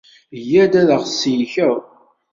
Yya-d a ɣ-tsellkeḍ!